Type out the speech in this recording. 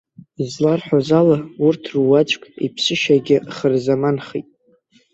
Изларҳәоз ала, урҭ руаӡәк иԥсышьагьы хырзаманхеит.